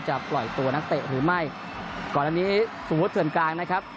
ปล่อยตัวนักเตะหรือไม่ก่อนอันนี้สมมุติเถื่อนกลางนะครับ